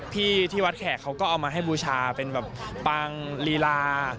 ที่ที่วัดแขกเขาก็เอามาให้บูชาเป็นแบบปางลีลา